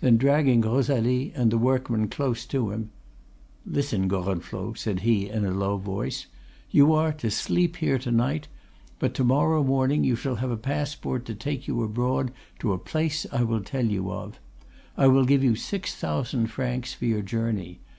Then, dragging Rosalie and the workman close to him—'Listen, Gorenflot,' said he, in a low voice, 'you are to sleep here to night; but to morrow morning you shall have a passport to take you abroad to a place I will tell you of. I will give you six thousand francs for your journey.